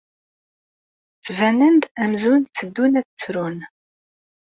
Ttbanen-d amzun tteddun ad ttrun.